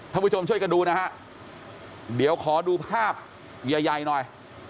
ผู้ชมช่วยกันดูนะฮะเดี๋ยวขอดูภาพใหญ่ใหญ่หน่อย